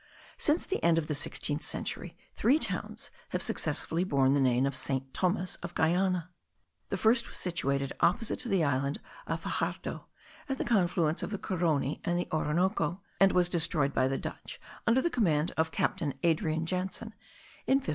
Since the end of the sixteenth century three towns have successively borne the name of St. Thomas of Guiana. The first was situated opposite to the island of Faxardo, at the confluence of the Carony and the Orinoco, and was destroyed* by the Dutch, under the command of Captain Adrian Janson, in 1579.